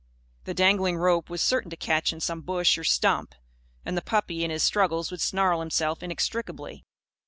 The dangling rope was certain to catch in some bush or stump. And the puppy, in his struggles, would snarl himself inextricably.